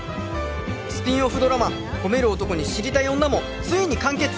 スピンオフドラマ『ホメる男に知りたい女』もついに完結！